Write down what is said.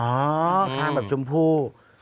อ่ออ่าคางแบบชมพู่